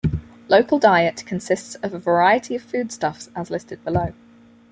Local diet consists of a variety of foodstuffs as listed below.